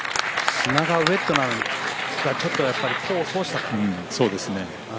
砂がウエットなのがちょっと功を奏したかな。